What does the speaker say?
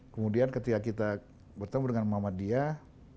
kemudian ketika kita bertemu dengan muhammad diyah